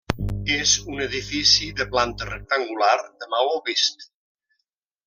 És un edifici de planta rectangular de maó vist.